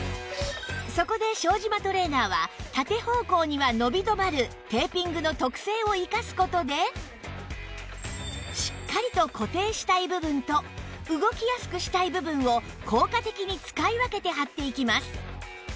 そこで庄島トレーナーは縦方向には伸び止まるテーピングの特性を生かす事でしっかりと固定したい部分と動きやすくしたい部分を効果的に使い分けて貼っていきます